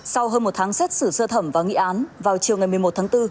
sau hơn một tháng xét xử sơ thẩm và nghị án vào chiều ngày một mươi một tháng bốn